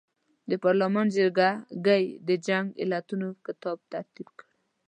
د پارلمان جرګه ګۍ د جنګ علتونو کتاب ترتیب کړ.